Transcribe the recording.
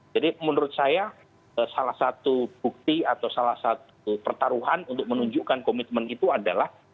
jadi menurut saya salah satu bukti atau salah satu pertaruhan untuk menunjukkan komitmen itu adalah